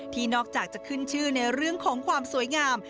นอกจากจะขึ้นชื่อในเรื่องของความสวยงาม